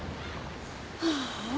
はあ。